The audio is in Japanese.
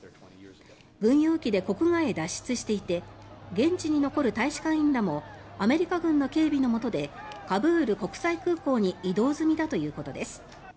軍用機で国外へ脱出していて現地に残る大使館員らもアメリカ軍の警備のもとでカブール国際空港に移動済みだということです。